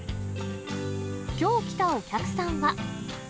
きょう来たお客さんは。